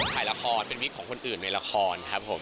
ถ่ายละครเป็นวิกของคนอื่นในละครครับผม